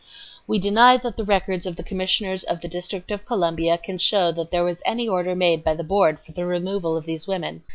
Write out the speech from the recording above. "We deny that the records of the Commissioners of the District of Columbia can show that there was any order made by the Board for the removal of these women.